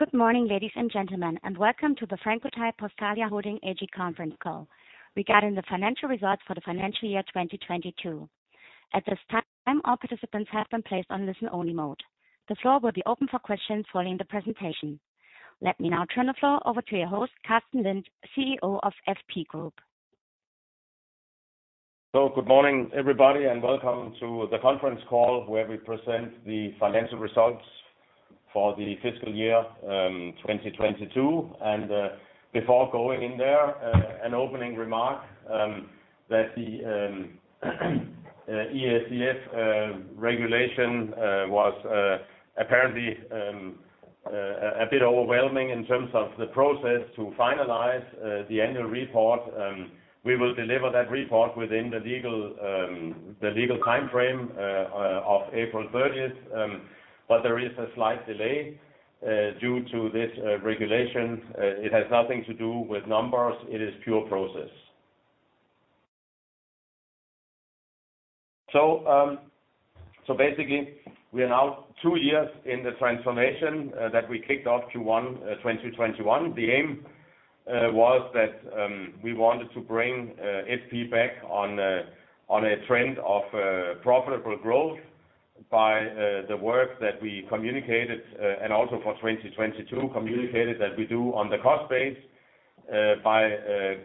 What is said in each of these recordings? Good morning, ladies and gentlemen, welcome to the Francotyp-Postalia Holding AG conference call regarding the financial results for the financial year 2022. At this time, all participants have been placed on listen-only mode. The floor will be open for questions following the presentation. Let me now turn the floor over to your host, Carsten Lind, CEO of FP Group. Good morning, everybody, and welcome to the conference call where we present the financial results for the fiscal year 2022. Before going in there, an opening remark that the ESEF regulation was apparently a bit overwhelming in terms of the process to finalize the annual report. We will deliver that report within the legal, the legal time frame of April 30th, but there is a slight delay due to this regulation. It has nothing to do with numbers. It is pure process. Basically, we are now two years in the transformation that we kicked off Q1 2021. The aim was that we wanted to bring FP back on a trend of profitable growth by the work that we communicated and also for 2022, communicated that we do on the cost base by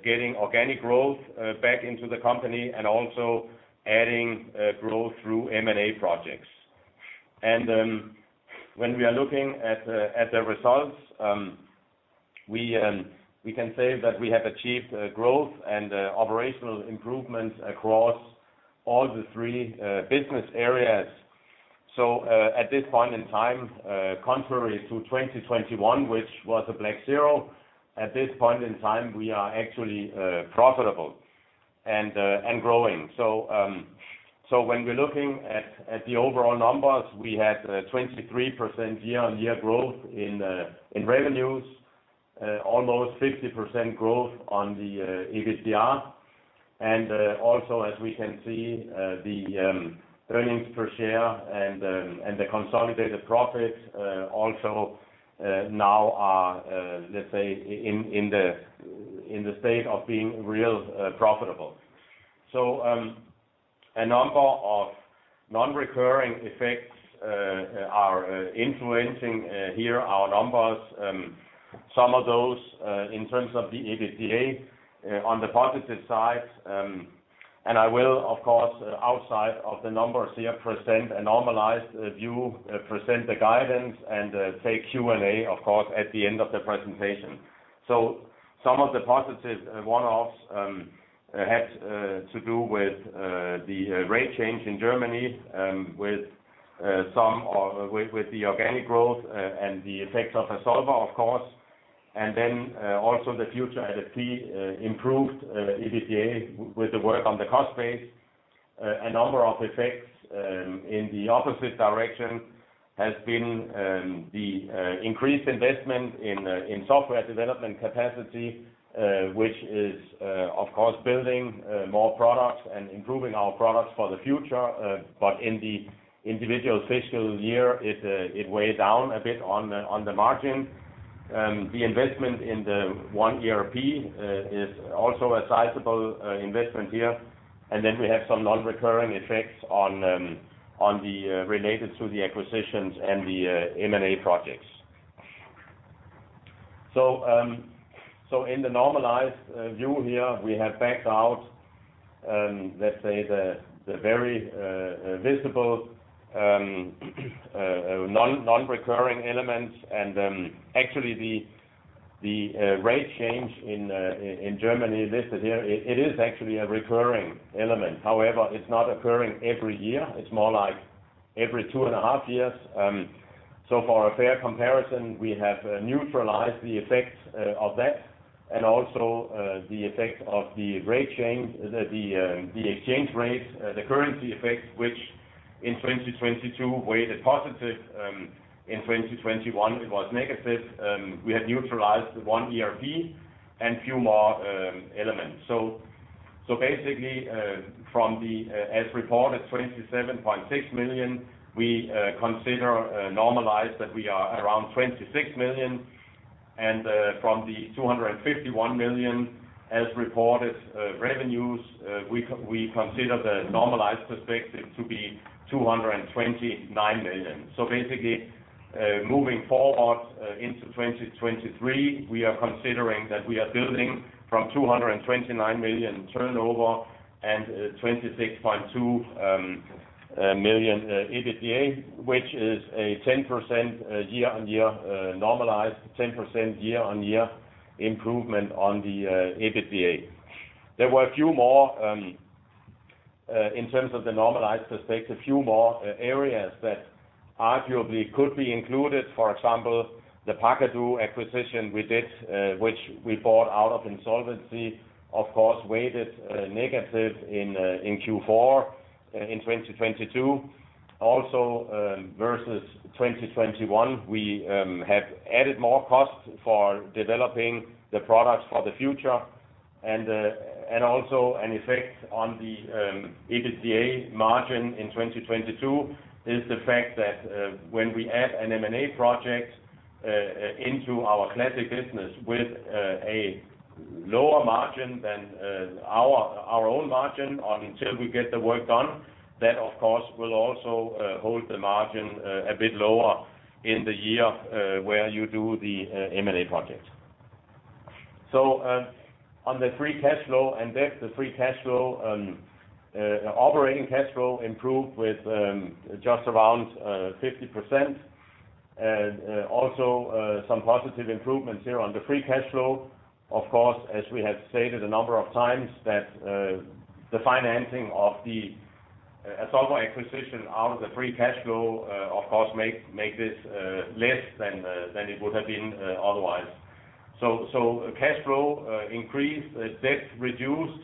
getting organic growth back into the company and also adding growth through M&A projects. When we are looking at the results, we can say that we have achieved growth and operational improvements across all the three business areas. At this point in time, contrary to 2021, which was a blank zero, at this point in time, we are actually profitable and growing. When we're looking at the overall numbers, we had 23% year-on-year growth in revenues, almost 50% growth on the EBITDA. Also, as we can see, the earnings per share and the consolidated profits also now are, let's say, in the state of being real profitable. A number of non-recurring effects are influencing here our numbers, some of those in terms of the EBITDA on the positive side. I will, of course, outside of the numbers here, present a normalized view, present the guidance and take Q&A, of course, at the end of the presentation. Some of the positive one-offs had to do with the rate change in Germany, with some with the organic growth and the effects of Azolver, of course. Also the future at FP improved EBITDA with the work on the cost base. A number of effects in the opposite direction has been the increased investment in software development capacity, which is, of course, building more products and improving our products for the future. In the individual fiscal year, it weighed down a bit on the margin. The investment in the ONE ERP is also a sizable investment here. We have some non-recurring effects on the related to the acquisitions and the M&A projects. In the normalized view here, we have backed out, let's say the very visible non-recurring elements. Actually the rate change in Germany listed here, it is actually a recurring element. However, it's not occurring every year. It's more like every two and a half years. For a fair comparison, we have neutralized the effects of that and also the effect of the rate change, the exchange rates, the currency effects, which in 2022 weighted positive. In 2021, it was negative. We have ONE ERP and a few more elements. Basically, from the as reported 27.6 million, we consider normalized that we are around 26 million. From the 251 million as reported revenues, we consider the normalized perspective to be 229 million. Basically, moving forward into 2023, we are considering that we are building from 229 million turnover and 26.2 million EBITDA, which is a 10% year-on-year, normalized 10% year-on-year improvement on the EBITDA. There were a few more in terms of the normalized perspective, a few more areas that arguably could be included. For example, the pakadoo acquisition we did, which we bought out of insolvency, of course, weighted negative in Q4 in 2022. Also, versus 2021, we have added more costs for developing the products for the future. Also an effect on the EBITDA margin in 2022 is the fact that when we add an M&A project into our classic business with a lower margin than our own margin until we get the work done, that of course will also hold the margin a bit lower in the year where you do the M&A project. On the free cash flow and debt, the free cash flow operating cash flow improved with just around 50%. Also, some positive improvements here on the free cash flow. Of course, as we have stated a number of times that the financing of the Azolver acquisition out of the free cash flow, of course make this less than than it would have been otherwise. Cash flow increased, debt reduced,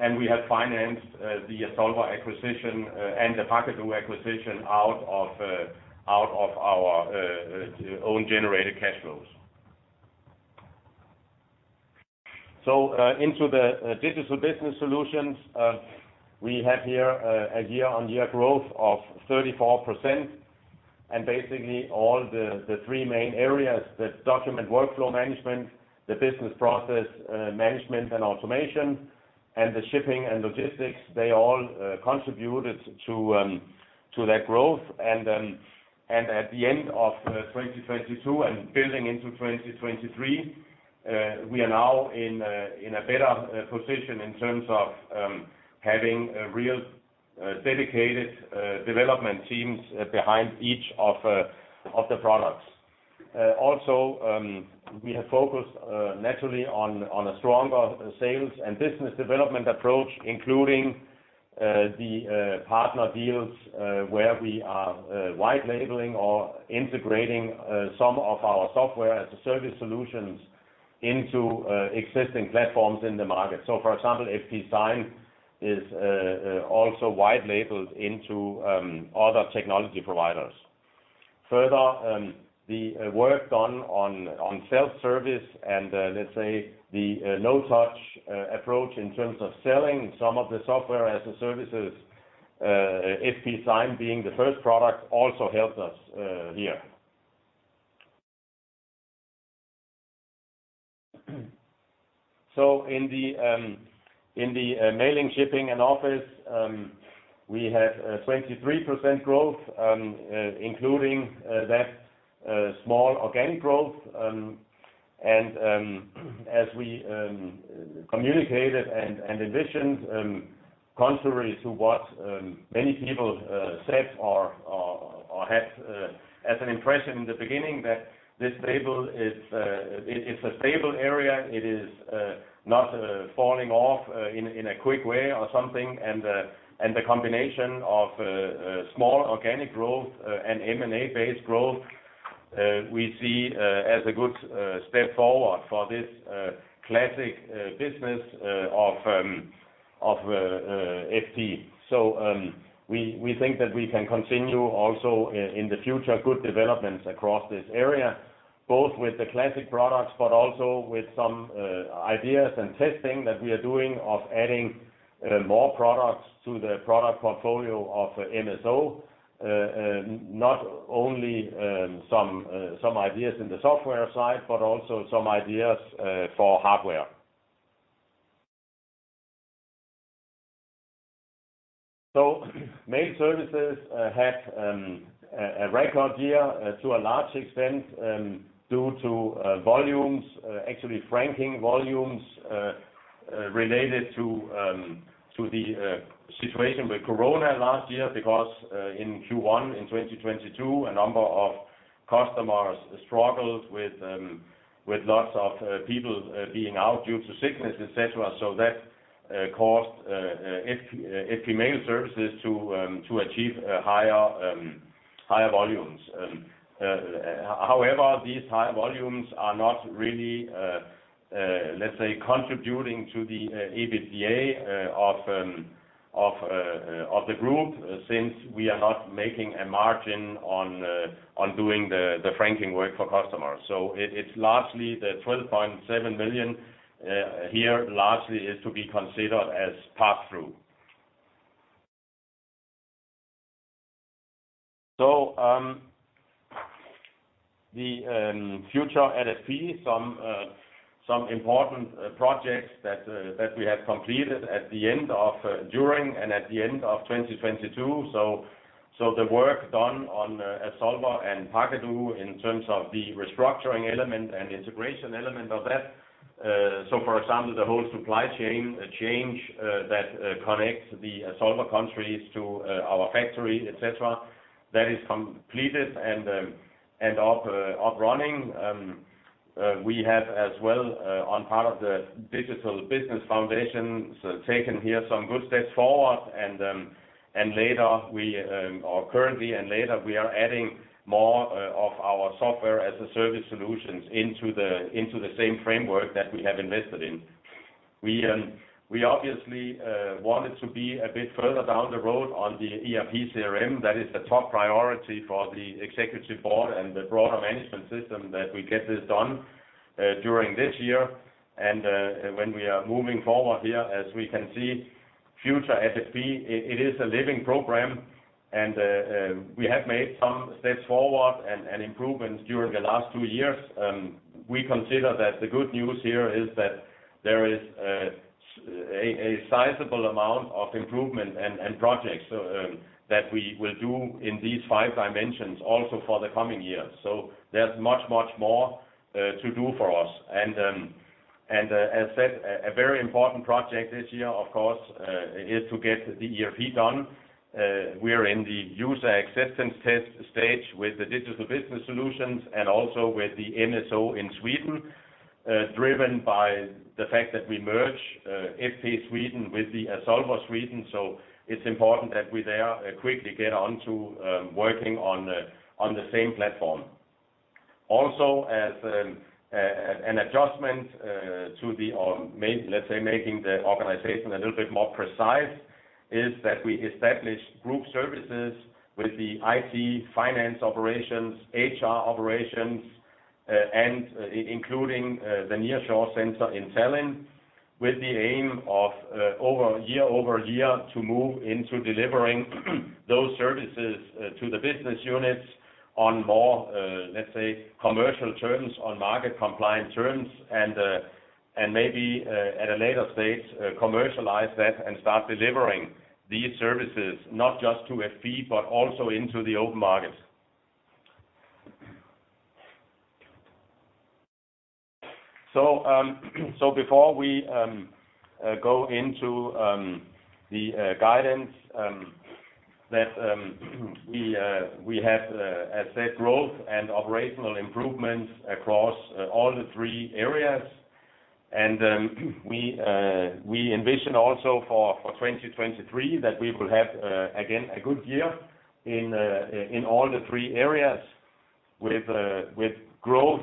and we have financed the Azolver acquisition and the pakadoo acquisition out of our own generated cash flows. Into the Digital Business Solutions, we have here a year-on-year growth of 34%, and basically all the three main areas, the document workflow management, the business process management and automation, and the shipping and logistics, they all contributed to that growth. At the end of 2022 and building into 2023, we are now in a better position in terms of having a real dedicated development teams behind each of the products. Also, we have focused naturally on a stronger sales and business development approach, including the partner deals, where we are white labeling or integrating some of our software as a service solutions into existing platforms in the market. For example, FP Sign is also white labeled into other technology providers. Further, the work done on self-service and, let's say the no touch approach in terms of selling some of the software as a services, FP Sign being the first product also helps us here. In the in the mailing, shipping and office, we have 23% growth, including that small organic growth. As we communicated and envisioned, contrary to what many people said or had as an impression in the beginning that this label is, it is a stable area. It is not falling off in a quick way or something. The combination of small organic growth and M&A-based growth we see as a good step forward for this classic business of FP. We think that we can continue also in the future, good developments across this area, both with the classic products, but also with some ideas and testing that we are doing of adding more products to the product portfolio of MSO. Not only some ideas in the software side, but also some ideas for hardware. Mail services had a record year to a large extent due to volumes, actually franking volumes, related to the situation with Corona last year, because in Q1 2022, a number of customers struggled with lots of people being out due to sickness, et cetera. That caused FP mail services to achieve higher volumes. However, these high volumes are not really let's say contributing to the EBITDA of the group since we are not making a margin on doing the franking work for customers. It's largely the 12.7 million here largely is to be considered as pass-through. The future at FP, some important projects that we have completed at the end of during and at the end of 2022. The work done on Azolver and pakadoo in terms of the restructuring element and integration element of that. For example, the whole supply chain change that connects the Azolver countries to our factory, et cetera, that is completed and up running. We have as well on part of the digital business foundation, taken here some good steps forward. Later we, or currently and later, we are adding more of our software as a service solutions into the same framework that we have invested in. We obviously want it to be a bit further down the road on the ERP CRM. That is the top priority for the executive board and the broader management system that we get this done during this year. When we are moving forward here, as we can see, future FP, it is a living program, we have made some steps forward and improvements during the last two years. We consider that the good news here is that there is a sizable amount of improvement and projects that we will do in these five dimensions also for the coming years. There's much more to do for us. As said, a very important project this year, of course, is to get the ERP done. We are in the user acceptance test stage with the Digital Business Solutions and also with the MSO in Sweden, driven by the fact that we merge FP Sweden with Azolver Sweden. It's important that we there quickly get on to working on the same platform. As an adjustment to the, or main, let's say, making the organization a little bit more precise, is that we establish group services with the IT finance operations, HR operations, and including the nearshore center in Tallinn, with the aim of, over, year-over-year, to move into delivering those services to the business units on more, let's say, commercial terms, on market compliance terms, and maybe at a later stage, commercialize that and start delivering these services not just to FP, but also into the open market. Before we go into the guidance that we have asset growth and operational improvements across all the three areas. We envision also for 2023 that we will have again a good year in all the three areas with growth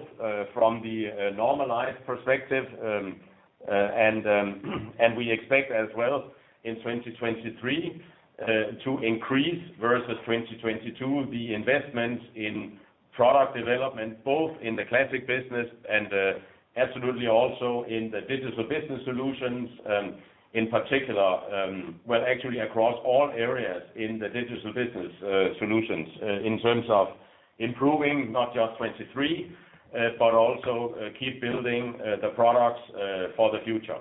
from the normalized perspective. We expect as well in 2023 to increase versus 2022 the investment in product development, both in the classic business and absolutely also in the Digital Business Solutions, in particular, well, actually across all areas in the Digital Business Solutions in terms of improving not just 2023, but also keep building the products for the future.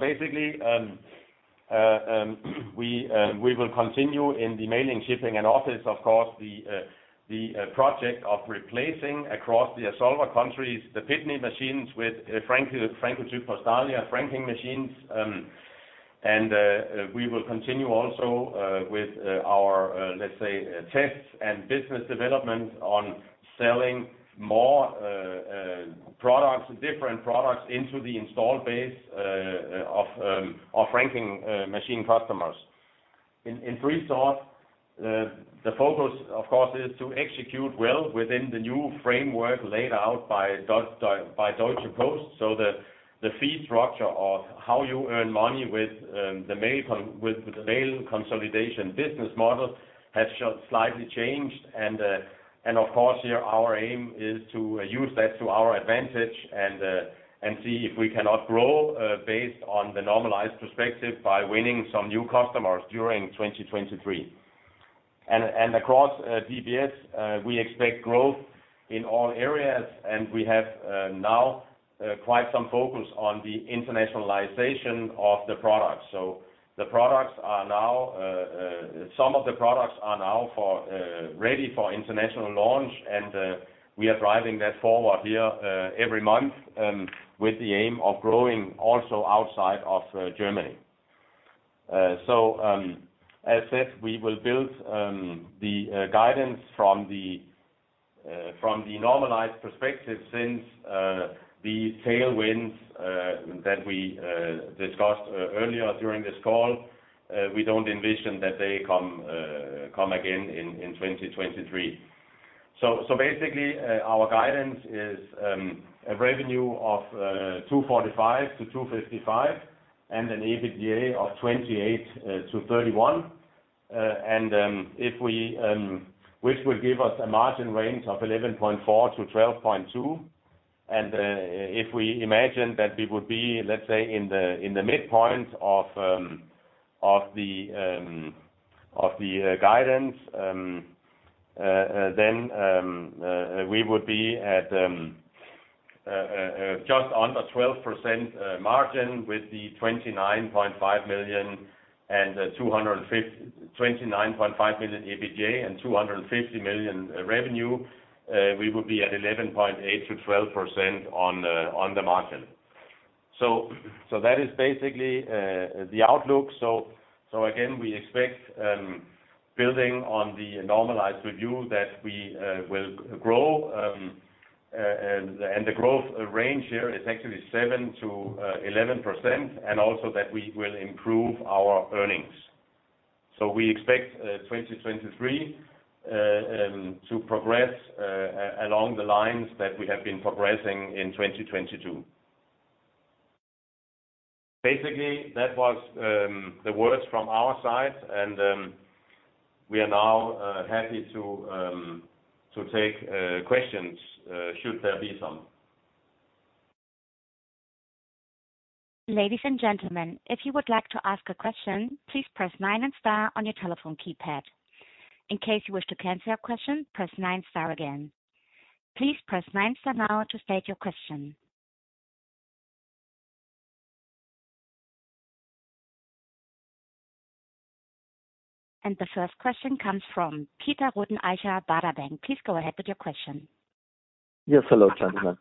Basically, we will continue in the mailing, shipping, and office, of course, the project of replacing across the Azolver countries, the Pitney machines with Francotyp-Postalia franking machines. We will continue also with our, let's say, tests and business development on selling more products, different products into the installed base of franking machine customers. In freesort, the focus, of course, is to execute well within the new framework laid out by Deutsche Post. The fee structure of how you earn money with the mail consolidation business model has just slightly changed. Of course, here our aim is to use that to our advantage and see if we cannot grow based on the normalized perspective by winning some new customers during 2023. Across DBS, we expect growth in all areas, and we have now quite some focus on the internationalization of the products. Some of the products are now ready for international launch, and we are driving that forward here every month with the aim of growing also outside of Germany. As said, we will build the guidance from the normalized perspective, since the tailwinds that we discussed earlier during this call, we don't envision that they come again in 2023. Basically, our guidance is a revenue of 245 million-255 million, and an EBITDA of 28 million-31 million. If we, which will give us a margin range of 11.4%-12.2%. If we imagine that we would be, let's say, in the midpoint of the guidance, then we would be at just under 12% margin with the 29.5 million and 250 million, 29.5 million EBITDA and 250 million revenue, we would be at 11.8%-12% on the margin. That is basically the outlook. Again, we expect, building on the normalized review that we will grow. The growth range here is actually 7%-11%, and also that we will improve our earnings. We expect 2023 to progress along the lines that we have been progressing in 2022. Basically, that was the words from our side and we are now happy to take questions should there be some. Ladies and gentlemen, if you would like to ask a question, please press nine and star on your telephone keypad. In case you wish to cancel your question, press nine star again. Please press nine star now to state your question. The first question comes from Peter Rothenaicher, Baader Bank. Please go ahead with your question. Yes. Hello, gentlemen.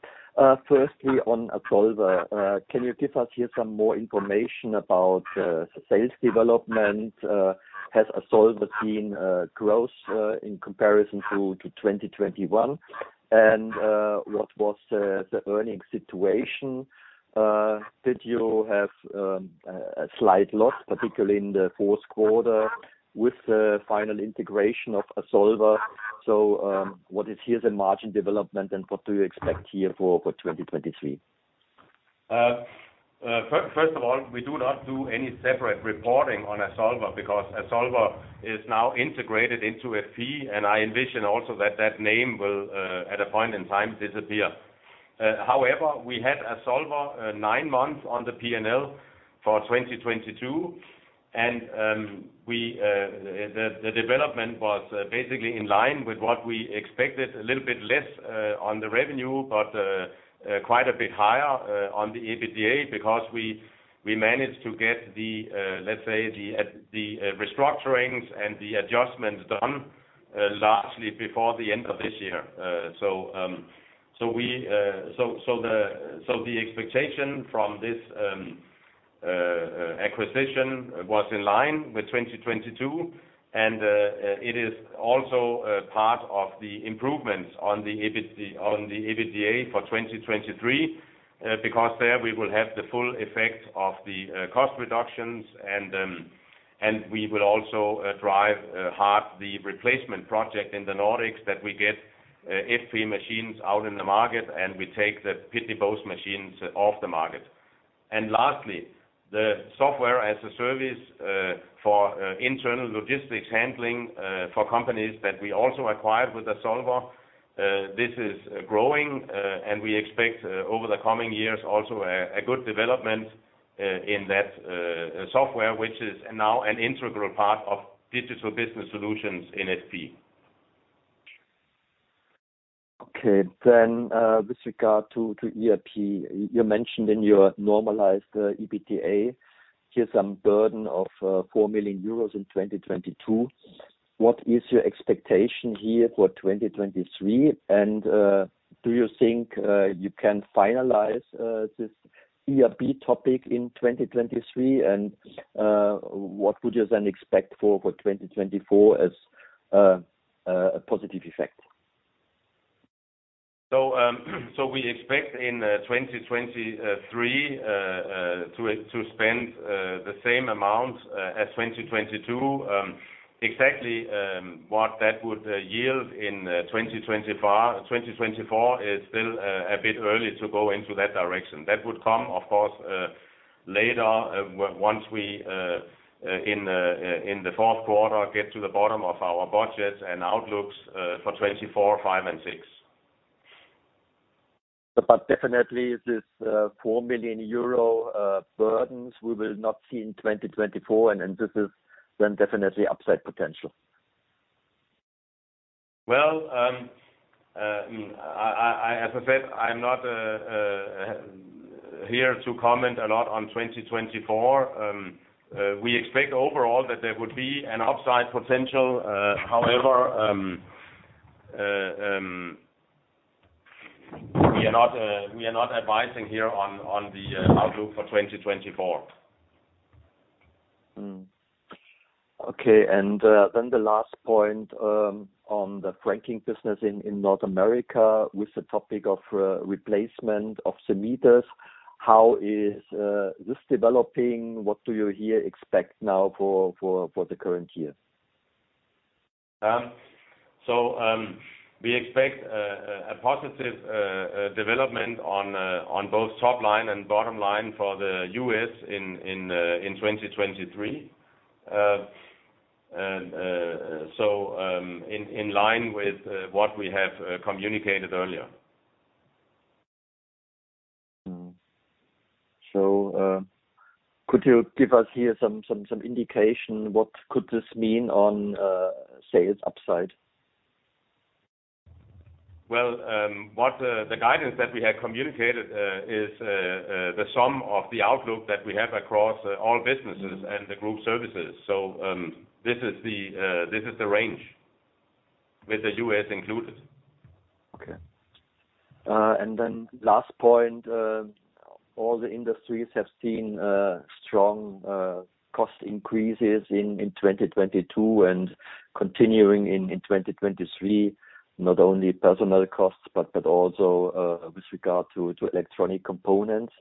firstly, on Azolver, can you give us here some more information about the sales development? Has Azolver seen growth in comparison to 2021? What was the earning situation? Did you have a slight loss, particularly in the fourth quarter with the final integration of Azolver? What is here the margin development, and what do you expect here for 2023? First of all, we do not do any separate reporting on Azolver because Azolver is now integrated into FP, and I envision also that that name will at a point in time disappear. However, we had Azolver nine months on the P&L for 2022, and the development was basically in line with what we expected, a little bit less on the revenue, but quite a bit higher on the EBITDA because we managed to get the let's say, the restructurings and the adjustments done largely before the end of this year. The expectation from this acquisition was in line with 2022, and it is also a part of the improvements on the EBIT, on the EBITDA for 2023, because there we will have the full effect of the cost reductions and we will also drive hard the replacement project in the Nordics that we get FP machines out in the market, and we take the Pitney Bowes machines off the market. Lastly, the software as a service for internal logistics handling for companies that we also acquired with Azolver, this is growing, and we expect over the coming years also a good development in that software, which is now an integral part of Digital Business Solutions in FP. Okay. With regard to ERP, you mentioned in your normalized EBITDA, here's some burden of 4 million euros in 2022. What is your expectation here for 2023? Do you think you can finalize this ERP topic in 2023? What would you then expect for 2024 as a positive effect? We expect in 2023 to spend the same amount as 2022. Exactly what that would yield in 2024 is still a bit early to go into that direction. That would come, of course, later once we in the fourth quarter get to the bottom of our budgets and outlooks for 2024, 2025 and 2026. Definitely this, 4 million euro burdens we will not see in 2024, and then this is then definitely upside potential. I, as I said, I'm not here to comment a lot on 2024. We expect overall that there would be an upside potential. We are not advising here on the outlook for 2024. Okay. The last point on the franking business in North America with the topic of replacement of the meters, how is this developing? What do you here expect now for the current year? We expect a positive development on both top line and bottom line for the U.S. in 2023 in line with what we have communicated earlier. Could you give us here some indication what could this mean on sales upside? What the guidance that we have communicated is the sum of the outlook that we have across all businesses and the group services. This is the range with the U.S. included. Okay. Last point. All the industries have seen strong cost increases in 2022 and continuing in 2023, not only personnel costs, but also with regard to electronic components.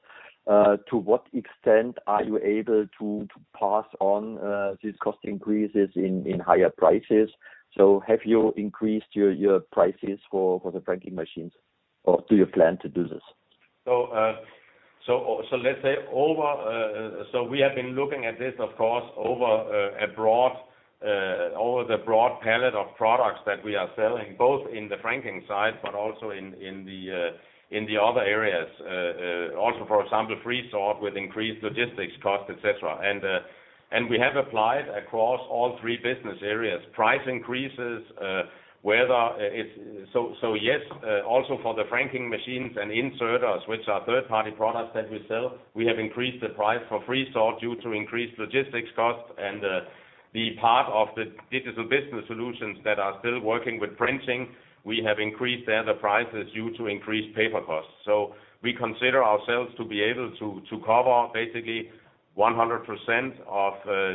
To what extent are you able to pass on these cost increases in higher prices? Have you increased your prices for the franking machines, or do you plan to do this? Let's say over, so we have been looking at this, of course, over the broad palette of products that we are selling, both in the franking side but also in the other areas. Also, for example, freesort with increased logistics costs, et cetera. We have applied across all three business areas price increases, whether it's. Yes, also for the franking machines and inserters, which are third-party products that we sell, we have increased the price for freesort due to increased logistics costs. The part of the Digital Business Solutions that are still working with printing, we have increased there the prices due to increased paper costs. We consider ourselves to be able to cover basically 100% of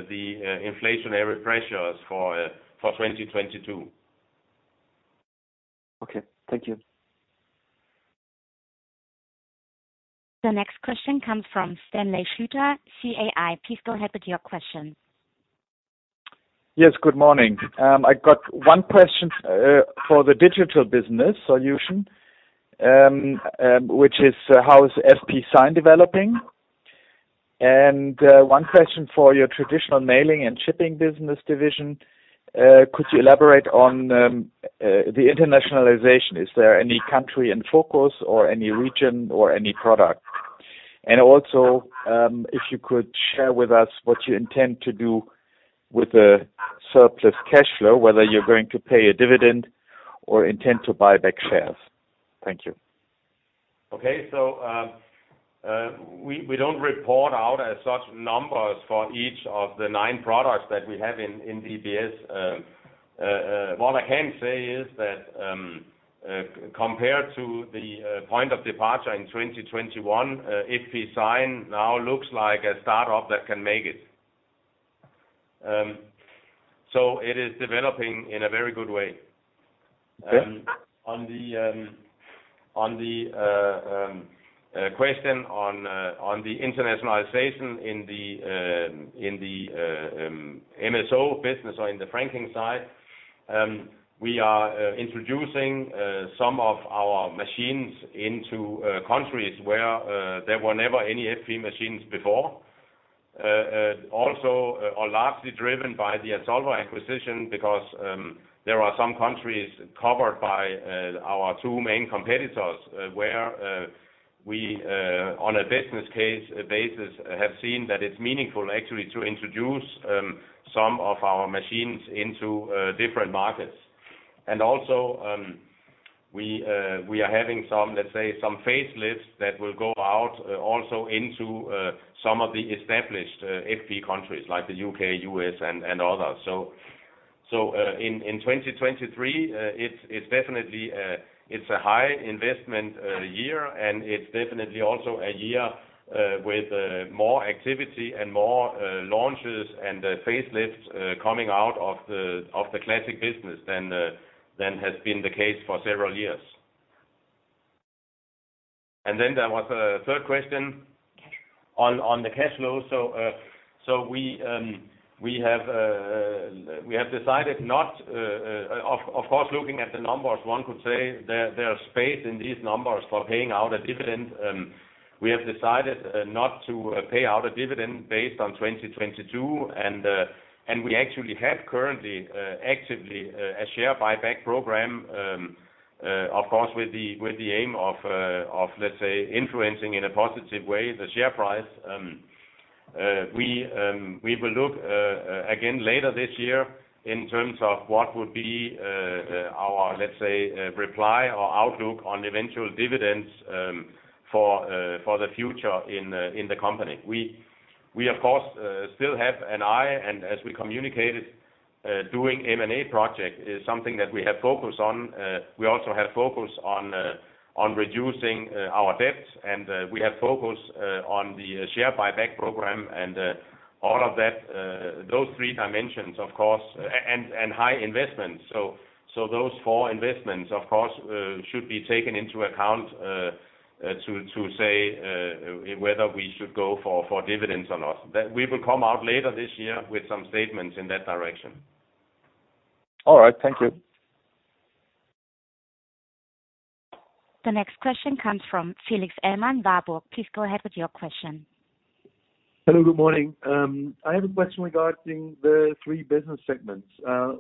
the inflationary pressures for 2022. Okay. Thank you. The next question comes from Stanley Shooter, CAI. Please go ahead with your question. Yes, good morning. I got one question for the Digital Business Solution, which is, how is FP Sign developing? One question for your traditional mailing and shipping business division, could you elaborate on the internationalization? Is there any country in focus or any region or any product? Also, if you could share with us what you intend to do with the surplus cash flow, whether you're going to pay a dividend or intend to buy back shares. Thank you. Okay. we don't report out as such numbers for each of the nine products that we have in DBS. What I can say is that compared to the point of departure in 2021, FP Sign now looks like a startup that can make it. It is developing in a very good way. Okay. On the question on the internationalization in the MSO business or in the franking side, we are introducing some of our machines into countries where there were never any FP machines before. Also are largely driven by the Azolver acquisition because there are some countries covered by our two main competitors, where we on a business case basis have seen that it's meaningful actually to introduce some of our machines into different markets. Also, we are having some, let's say, some facelifts that will go out also into some of the established FP countries like the U.K., U.S., and others. In 2023, it's definitely a high investment year, and it's definitely also a year with more activity and more launches and facelifts coming out of the classic business than has been the case for several years. There was a third question on the cash flow. We have decided not. Of course, looking at the numbers, one could say there are space in these numbers for paying out a dividend. We have decided not to pay out a dividend based on 2022. We actually have currently actively a share buyback program, of course, with the aim of, let's say, influencing in a positive way the share price. We will look again later this year in terms of what would be our, let's say, reply or outlook on eventual dividends for the future in the company. We of course still have an eye, and as we communicated, doing M&A project is something that we have focused on. We also have focused on reducing our debt, and we have focused on the share buyback program and all of that, those three dimensions, of course, and high investments. Those four investments, of course, should be taken into account to say whether we should go for dividends or not. That we will come out later this year with some statements in that direction. All right. Thank you. The next question comes from Felix Ellmann, Warburg. Please go ahead with your question. Hello, good morning. I have a question regarding the three business segments.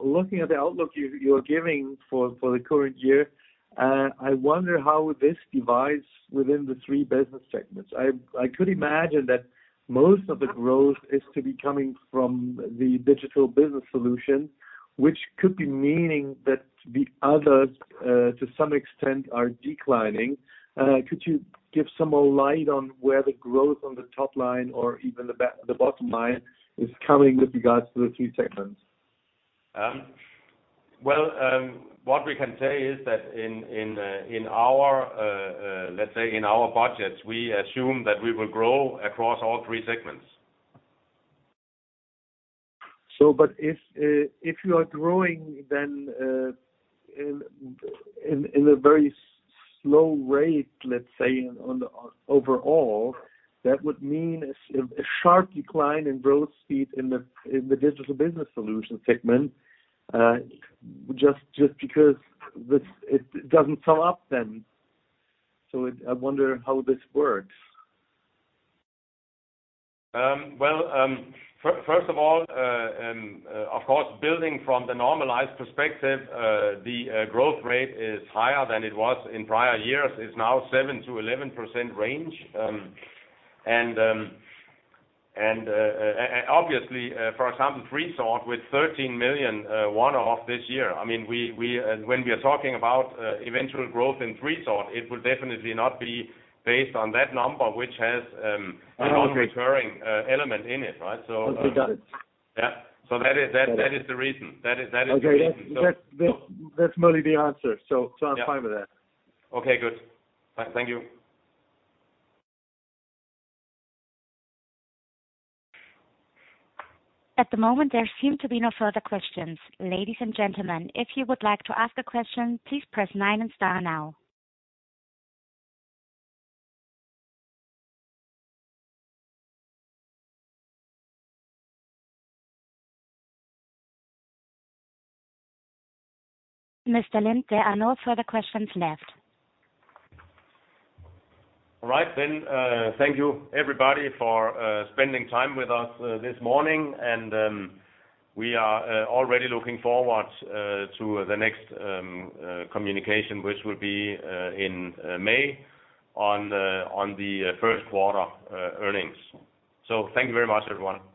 Looking at the outlook you're giving for the current year, I wonder how this divides within the three business segments. I could imagine that most of the growth is to be coming from the Digital Business Solution, which could be meaning that the others, to some extent, are declining. Could you give some more light on where the growth on the top line or even the bottom line is coming with regards to the three segments? Well, what we can say is that in our, let's say, in our budgets, we assume that we will grow across all three segments. If you are growing then in a very slow rate, let's say overall, that would mean a sharp decline in growth speed in the Digital Business Solution segment, just because it doesn't sum up then. I wonder how this works. Well, first of all, of course, building from the normalized perspective, the growth rate is higher than it was in prior years. It's now 7%-11% range. Obviously, for example, freesort with 13 million one-off this year. I mean, we, when we are talking about eventual growth in freesort, it will definitely not be based on that number, which has. Oh, okay. -a non-recurring, element in it, right? Okay, got it. Yeah. That is the reason. That is the reason. Okay. That's, that's mainly the answer. Yeah. I'm fine with that. Okay, good. Thank you. At the moment, there seem to be no further questions. Ladies and gentlemen, if you would like to ask a question, please press nine and star now. Mr. Lind, there are no further questions left. All right then, thank you everybody for spending time with us this morning. We are already looking forward to the next communication, which will be in May on the first quarter earnings. Thank you very much, everyone.